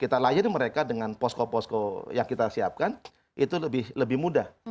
kita layani mereka dengan posko posko yang kita siapkan itu lebih mudah